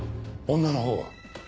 女のほうは？